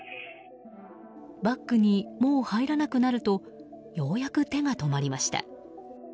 バッグに、もう入らなくなるとようやく手が止まりました。